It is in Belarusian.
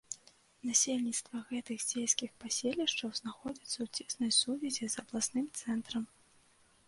Насельніцтва гэтых сельскіх паселішчаў знаходзіцца ў цеснай сувязі з абласным цэнтрам.